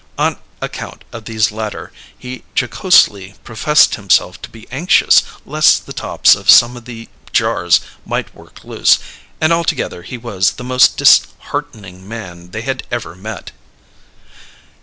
On account of these latter, he jocosely professed himself to be anxious lest the tops of some of the jars might work loose and altogether he was the most disheartening man they had ever met.